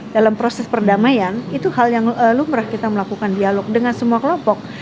dalam proses perdamaian itu hal yang lumrah kita melakukan dialog dengan semua kelompok